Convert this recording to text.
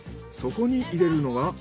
そこに入れるのが。